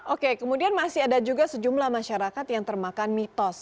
oke kemudian masih ada juga sejumlah masyarakat yang termakan mitos